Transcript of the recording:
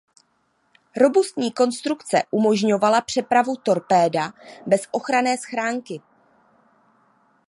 Robustní konstrukce umožňovala přepravu torpéda bez ochranné schránky.